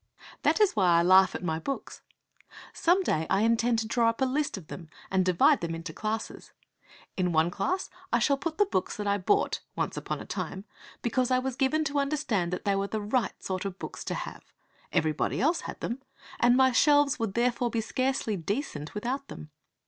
II That is why I laugh at my books. Some day I intend to draw up a list of them and divide them into classes. In one class I shall put the books that I bought, once upon a time, because I was given to understand that they were the right sort of books to have. Everybody else had them; and my shelves would therefore be scarcely decent without them.